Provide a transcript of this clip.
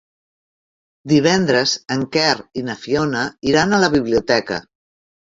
Divendres en Quer i na Fiona iran a la biblioteca.